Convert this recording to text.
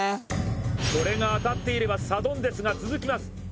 これが当たっていればサドンデスが続きます。